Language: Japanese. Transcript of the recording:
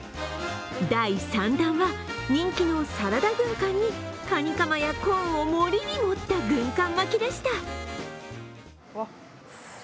第３弾は、人気のサラダ軍艦にカニカマやコーンを盛りに盛った軍艦でした。